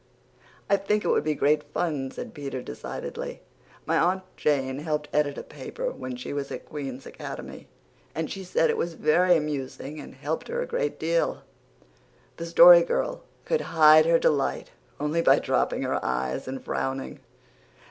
"I think it would be great fun," said Peter decidedly. "My Aunt Jane helped edit a paper when she was at Queen's Academy, and she said it was very amusing and helped her a great deal." The Story Girl could hide her delight only by dropping her eyes and frowning.